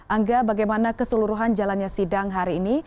angga bagaimana keseluruhan jalannya sidang hari ini